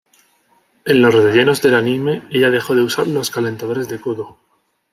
En los rellenos del anime, ella dejó de usar los calentadores de codo.